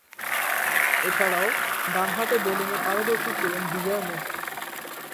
এছাড়াও, ডানহাতে বোলিংয়ে পারদর্শী ছিলেন বিজয় মেহরা।